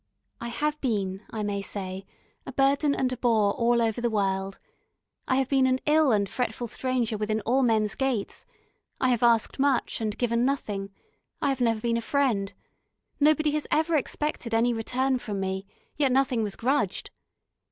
I have been, I may say, a burden and a bore all over the world; I have been an ill and fretful stranger within all men's gates; I have asked much and given nothing; I have never been a friend. Nobody has ever expected any return from me, yet nothing was grudged.